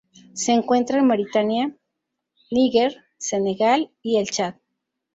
Se encuentra en Mauritania, Níger, Senegal y el Chad.